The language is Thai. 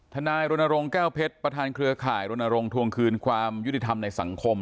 นายรณรงค์แก้วเพชรประธานเครือข่ายรณรงค์ทวงคืนความยุติธรรมในสังคม